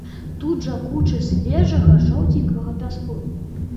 Тут жа кучы свежага жоўценькага пяску.